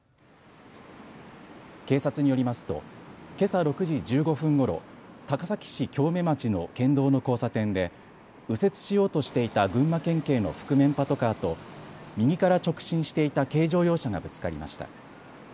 警察によりますとけさ６時１５分ごろ高崎市京目町の県道の交差点で右折しようとしていた群馬県警の覆面パトカーと右から直進していた軽乗用車がぶつかりました。